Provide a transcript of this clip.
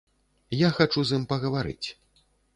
Я хачу з ім пагаварыць.